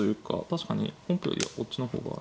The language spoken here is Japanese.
確かに本譜よりはこっちの方が。